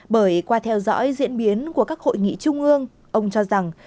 bởi qua theo dõi diễn biến của các hội nghị trung ương ông cho rằng